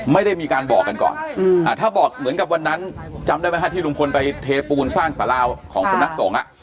ไม่ได้มีการบอกกันก่อนถ้าบอกเหมือนกับวันนั้นจำได้ไหมฮะที่ลุงพลไปเทปูนสร้างสาราวของสำนักสงฆ์